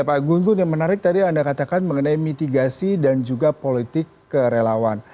pak gun gun yang menarik tadi anda katakan mengenai mitigasi dan juga politik kerelawan